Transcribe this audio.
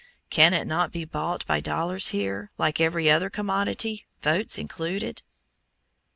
Can it not be bought by dollars here, like every other commodity, votes included?